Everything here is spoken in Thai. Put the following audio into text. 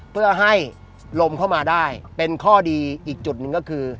เพื่อให้ลมเข้ามาได้เป็นข้อดีอีกจุดหนึ่งก็คือ